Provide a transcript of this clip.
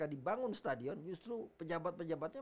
dibangun stadion justru pejabat pejabatnya